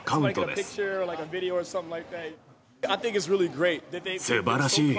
すばらしい。